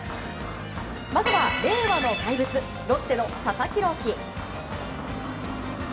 まずは令和の怪物ロッテの佐々木朗希。